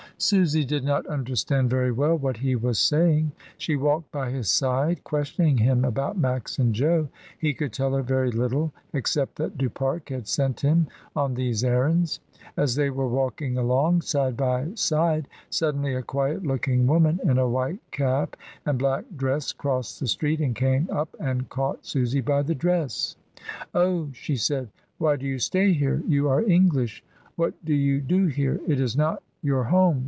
Susy did not understand very well what he was saying. She walked by his side, questioning him about Max and Jo. He could tell her very little, except that Du Pare had sent him on these errands. As they were walking along, side by side, suddenly a quiet looking woman in a white cap and black dress crossed the street, and came up and caught Susy by the dress. ^ "Oh!" she said, "why do you stay here? You are English. What do you do here? It is not your home.